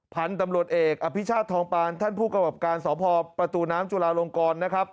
ผันตำรวจเอกอภิชาธรรมปานท่านผู้กระบะการสอบพอประตูน้ำจุฬาลงกรนะครับ